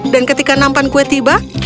dan ketika nampan kue tiba